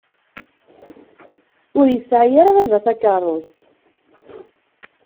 Ur yesɛi ara baba takeṛṛust.